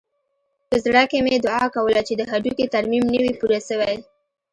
په زړه کښې مې دعا کوله چې د هډوکي ترميم نه وي پوره سوى.